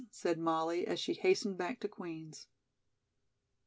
said Molly, as she hastened back to Queen's.